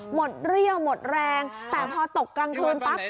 เรี่ยวหมดแรงแต่พอตกกลางคืนปั๊บ